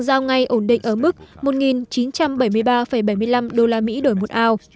giao ngay ổn định ở mức một chín trăm bảy mươi ba bảy mươi năm usd đổi một ao